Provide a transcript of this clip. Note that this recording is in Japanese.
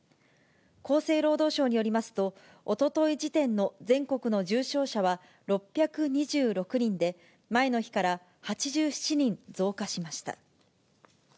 厚生労働省によりますと、おととい時点の全国の重症者は６２６人で、前の日から８７人増加しました。